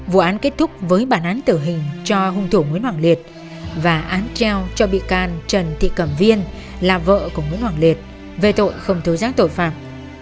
vụ án kết thúc với bản án tử hình cho hung thủ nguyễn hoàng liệt và án treo cho bị can trần thị cẩm viên là vợ của nguyễn hoàng liệt về tội không tố giác tội phạm